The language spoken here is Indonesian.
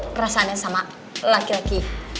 perasaannya sama laki laki